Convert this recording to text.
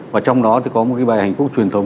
và trong đó thì có một cái bài hành khúc truyền thống